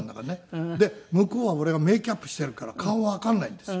向こうは俺がメーキャップしているから顔はわかんないんですよ。